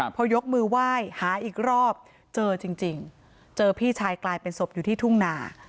พอยกมือไหว้หาอีกรอบเจอจริงเจอพี่ชายกลายเป็นศพอยู่ที่ทุ่งนา